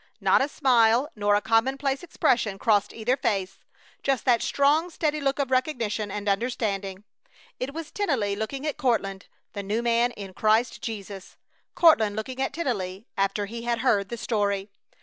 Not a smile nor a commonplace expression crossed either face just that strong, steady look of recognition and understanding. It was Tennelly looking at Courtland, the new man in Christ Jesus; Courtland looking at Tennelly after he had heard the story.